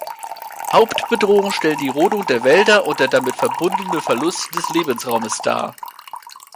Hauptbedrohung stellen die Rodung der Wälder und der damit verbundene Verlust des Lebensraumes dar.